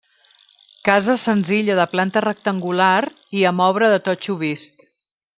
Casa senzilla de planta rectangular, i amb obra de totxo vist.